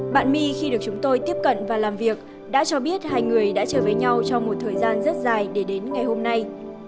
bạn my khi được chúng tôi tiếp cận và làm việc đã cho biết hai người đã trở về nhau trong một thời gian rất dài để đến ngày hôm nay